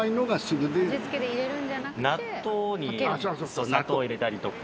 納豆に砂糖入れたりとか。